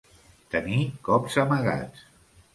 Tenir cops amagats.